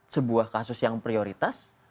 sebuah kasus yang prioritas